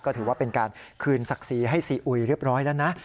ก็ถือว่าเป็นการคืนศักดิ์ศรีให้ซีอุยเรียบร้อยแล้วนะ